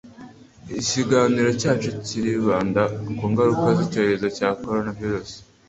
Ikiganiro cyacu kiribanda ku ngaruka z'icyorezo cya coronavirus